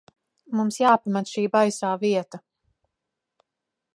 Mums jāpamet šī baisā vieta.